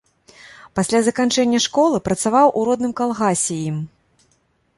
Пасля заканчэння школы, працаваў у родным калгасе ім.